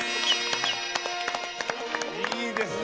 いいですね。